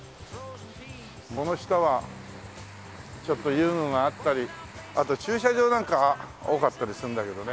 この下はちょっと遊具があったりあと駐車場なんか多かったりするんだけどね